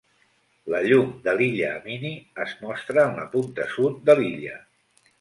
La llum de l'illa Amini es mostra en la punta sud de l'illa.